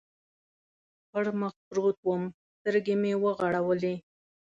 پر مخ پروت ووم، سترګې مې و غړولې.